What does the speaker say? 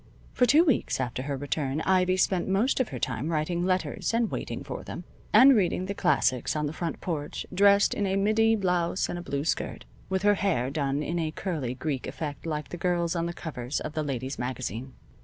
For two weeks after her return Ivy spent most of her time writing letters and waiting for them, and reading the classics on the front porch, dressed in a middy blouse and a blue skirt, with her hair done in a curly Greek effect like the girls on the covers of the Ladies' Magazine.